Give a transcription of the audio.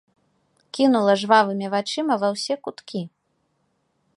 Кінула жвавымі вачыма ва ўсе куткі.